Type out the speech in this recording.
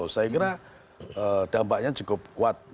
saya kira dampaknya cukup kuat